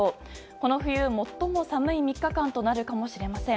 この冬、最も寒い３日間となるかもしれません。